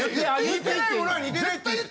似てないものは似てないって。